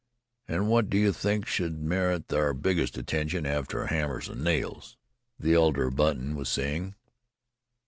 ".... And what do you think should merit our biggest attention after hammers and nails?" the elder Button was saying.